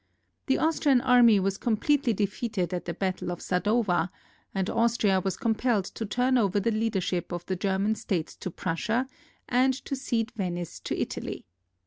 The Austrian army was completely de feated at the battle of Sadowa, and Austria was compelled to turn over the leadership of the German states to Prussia and to cede Venice to Italy.